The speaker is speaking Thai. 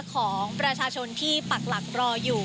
ของประชาชนที่ปักหลักรออยู่